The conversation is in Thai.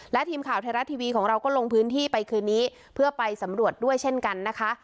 และทีมข่าวไทยรัฐทีวีของเราก็ลงพื้นที่ไปคืนนี้เพื่อไปสำรวจด้วยเช่นกันนะคะ